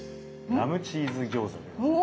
ラムチーズ餃子でございます。